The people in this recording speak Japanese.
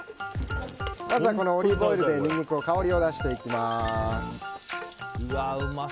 まずはオリーブオイルでニンニクの香りを出していきます。